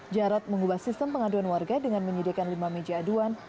jarod mengubah sistem pengaduan warga dengan menyediakan lima meja aduan